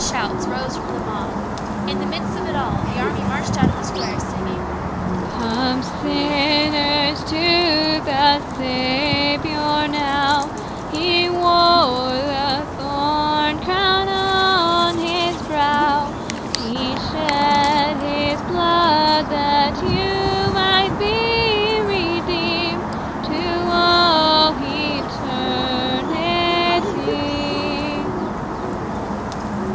shouts rose from the mob. In the midst of it all the army marched out of the square singing :" Come, sinners, to the Saviour now ; He wore the thorn crown on His brow ; He shed His blood that you might be Redeemed to all eternity. CHORUS.